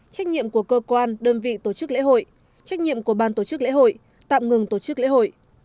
trách nhiệm của cơ quan đơn vị tổ chức lễ hội trách nhiệm của ban tổ chức lễ hội tạm ngừng tổ chức lễ hội